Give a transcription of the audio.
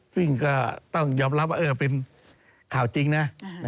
ซึ่งก็ต้องยอมรับว่าเป็นข่าวจริงนะ